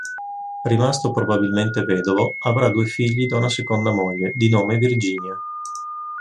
Rimasto probabilmente vedovo avrà due figli da una seconda moglie di nome Virginia.